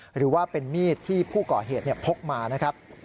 หรือว่าเป็นมีดที่ผู้ก่อเหตุพกมานะครับ